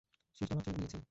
শেষটা মাত্রই ও নিয়েছে?